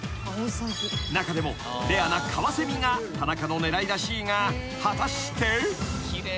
［中でもレアなカワセミが田中の狙いらしいが果たして］